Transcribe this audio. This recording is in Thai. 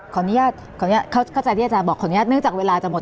ขออนุญาตขออนุญาตเข้าใจที่อาจารย์บอกขออนุญาตเนื่องจากเวลาจะหมด